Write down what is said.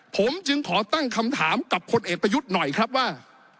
ผมจึงขอตั้งคำถามกับคนเอกประยุทธ์หน่อยครับว่า